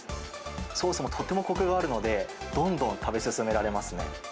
ソースもとてもこくがあるので、どんどん食べ進められますね。